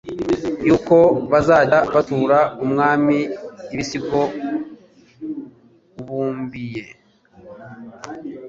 y'uko bazajya batura umwami ibisigo ubumbiye